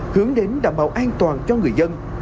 hướng đến đảm bảo an toàn